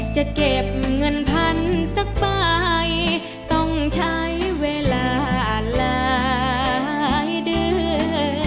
จะเก็บเงินพันสักใบต้องใช้เวลาหลายเดือน